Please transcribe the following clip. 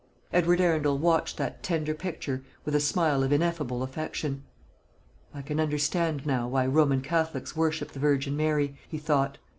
Edward Arundel watched that tender picture with a smile of ineffable affection. "I can understand now why Roman Catholics worship the Virgin Mary," he thought.